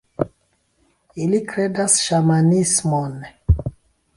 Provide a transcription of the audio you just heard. Ili kredas ŝamanismon.